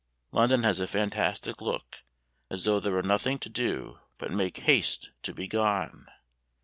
London has a fantastic look, as though there were nothing to do but make haste to be gone.